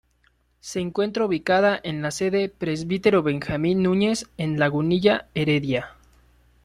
Se encuentra ubicada en la sede "Presbítero Benjamín Nuñez" en Lagunilla, Heredia.